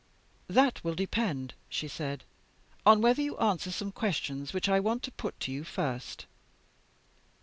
'That will depend,' she said, 'on whether you answer some questions which I want to put to you first.